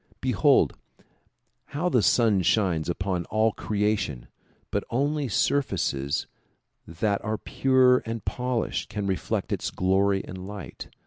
Behold how the sun shines upon all creation but only surfaces that are pure and polished can reflect its glory and light.